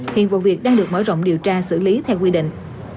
hiện vụ việc đang được mở rộng điều tra xử lý theo quy định